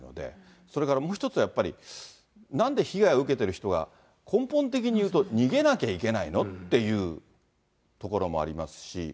それからもう１つ、やっぱり、なんで被害を受けてる人が根本的に言うと、逃げなきゃいけないのっていうところもありますし。